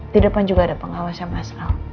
di depan juga ada pengawas yang masal